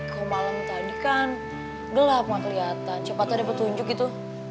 ke malam tadi kan udah lah pengakliatan cepat ada petunjuk itu